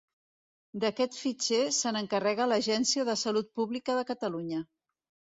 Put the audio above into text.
D'aquest fitxer se n'encarrega l'Agència de Salut Pública de Catalunya.